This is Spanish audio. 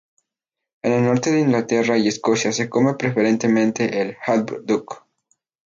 En el norte de Inglaterra y Escocia se come preferentemente el haddock.